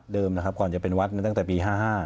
นะครับก่อนจะเป็นวัดตั้งแต่ปี๕๕